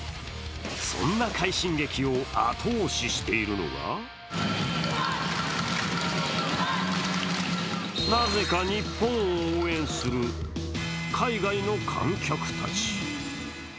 そんな快進撃を後押ししているのがなぜか日本を応援する海外の観客たち。